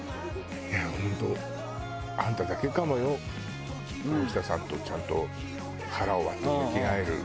いや本当あんただけかもよ大下さんとちゃんと腹を割って向き合える後輩は。